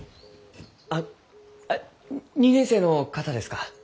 あ２年生の方ですか？